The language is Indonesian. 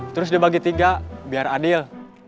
terus dibagi tiga biar adil